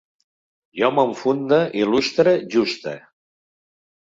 Jo m'enfunde, il·lustre, juste